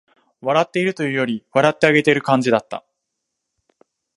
笑っているというより、笑ってあげてる感じだった